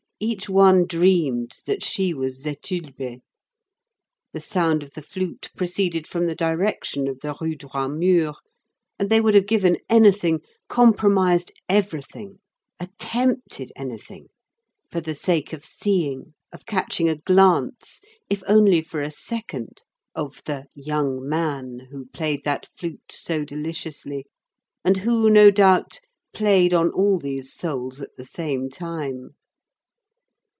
Each one dreamed that she was Zétulbé. The sound of the flute proceeded from the direction of the Rue Droit Mur; and they would have given anything, compromised everything, attempted anything for the sake of seeing, of catching a glance, if only for a second, of the "young man" who played that flute so deliciously, and who, no doubt, played on all these souls at the same time.